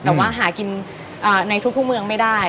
แต่ว่าหากินในทุกเมืองไม่ได้